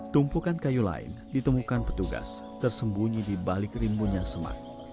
tumpukan kayu lain ditemukan petugas tersembunyi di balik rimbunnya semak